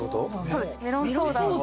そうですメロンソーダ。